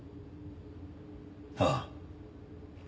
ああ。